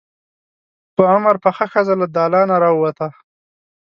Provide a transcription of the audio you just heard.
په عمر پخه ښځه له دالانه راووته.